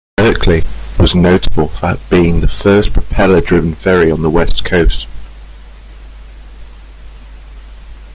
"Berkeley" was notable for having been the first propeller-driven ferry on the west coast.